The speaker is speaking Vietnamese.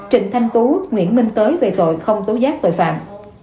trịnh thanh tú nguyễn minh tới về tội không tố giác tội phạm